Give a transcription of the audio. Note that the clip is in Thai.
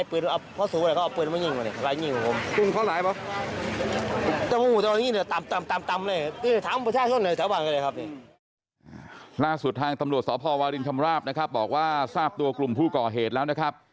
เป็นกลุ่มที่กลับมาทำตรงกันทำตรงกันยังไม่เป็นว่าเกิดไม่ได้